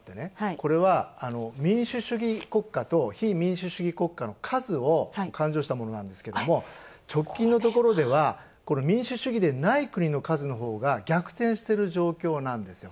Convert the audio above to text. これは、民主主義国家と非民主主義国家と数を勘定したものなんですけど直近のところでは民主主義でない国の数のほうが、逆転している状況なんですよ。